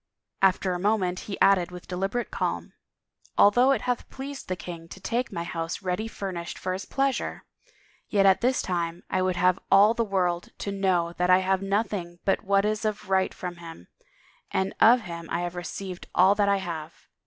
After a moment he added with deliberate calm, " Al though it hath pleased the king to take my house ready furnished for his pleasure, yet at this time I would have all the world to know that I have nothing but what is of right from him, and of him I have received all that I have.